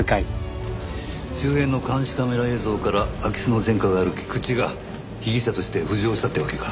周辺の監視カメラ映像から空き巣の前科がある菊池が被疑者として浮上したってわけか。